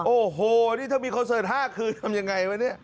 โอ้โหนี่ถ้ามีคอนเสิร์ต๕คืนทำยังไงวะเนี่ย